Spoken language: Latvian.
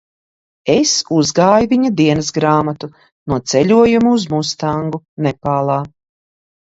Es uzgāju viņa dienasgrāmatu no ceļojuma uz Mustangu, Nepālā.